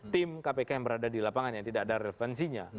tim kpk yang berada di lapangan yang tidak ada referensinya